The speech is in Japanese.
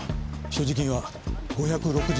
所持金は５６０円でした。